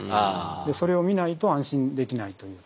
それを見ないと安心できないというか。